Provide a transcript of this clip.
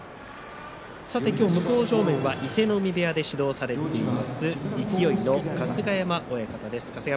今日、向正面は伊勢ノ海部屋で指導される勢の春日山親方です。